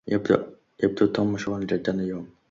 يبدو توم مشغولا جدا اليوم.